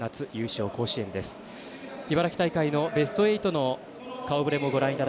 茨城大会、ベスト８の顔ぶれです。